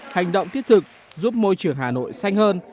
hành động thiết thực giúp môi trường hà nội xanh hơn